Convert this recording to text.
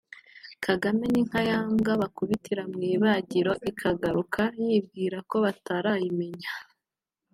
“Kagame ni nka ya mbwa bakubitira mw’ Ibagiro ikagaruka yibwira ko batarayimenya”